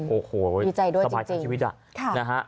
โอ้โฮดีใจด้วยจริงสบายชาวชีวิตล่ะ